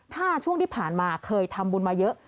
ถ้าช่วงที่ผ่านมาเคยทำบุญมาเยอะ